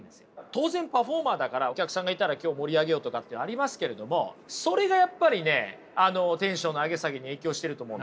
当然パフォーマーだからお客さんがいたら今日盛り上げようとかってありますけれどもそれがやっぱりねテンションの上げ下げに影響していると思うんです。